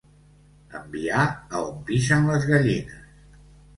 Enviar a on pixen les gallines.